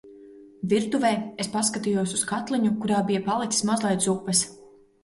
Virtuvē es paskatījos uz katliņu, kurā bija palicis mazliet zupas.